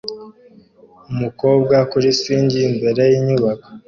Umukobwa kuri swing imbere yinyubako